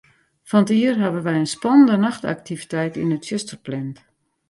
Fan 't jier hawwe wy in spannende nachtaktiviteit yn it tsjuster pland.